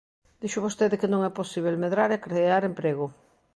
Dixo vostede que non é posíbel medrar e crear emprego.